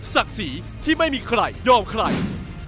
ศักดิ์ศรีที่ไม่มีใครยอมใคร